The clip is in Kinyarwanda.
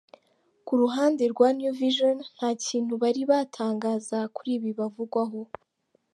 Ku ruhande rwa ‘New Vision’ nta kintu bari batangaza kuri ibi bavugwaho.